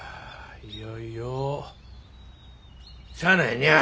いよいよしゃあないにゃあ。